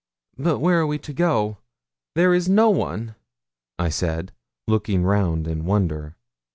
'But where are we to go? There is no one!' I said, looking round in wonder.